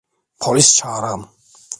Polis çağırın!